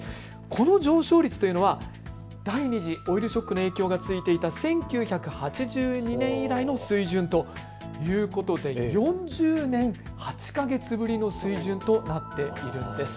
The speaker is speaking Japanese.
この上昇率というのは第２次オイルショックの影響が続いていた１９８２年以来の水準ということで４０年８か月ぶりの水準となっているんです。